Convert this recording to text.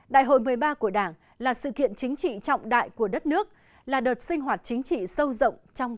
đại hội một mươi ba của đảng là sự kiện chính trị trọng đại của đất nước là đợt sinh hoạt chính trị sâu rộng trong